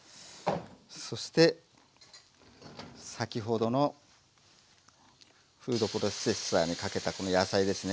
そして先ほどのフードプロセッサーにかけたこの野菜ですね